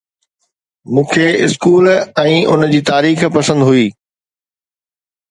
مون کي اسڪول ۽ ان جي تاريخ پسند هئي